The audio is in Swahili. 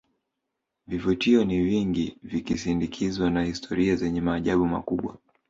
vivutio ni vingi vikisindikizwa na historia zenye maajabu makubwa